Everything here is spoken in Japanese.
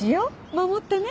守ってね。